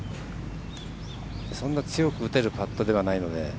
そんな強く打てるパットではないので。